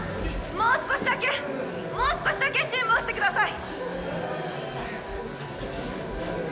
もう少しだけもう少しだけ辛抱してください！